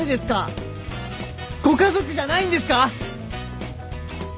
ご家族じゃないんですか！？